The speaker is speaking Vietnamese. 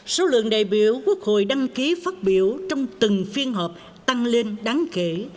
số lượng đại biểu quốc hội đăng ký phát biểu trong từng phiên họp tăng lên đáng kể